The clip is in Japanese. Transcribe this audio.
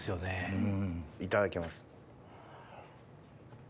うんいただきます。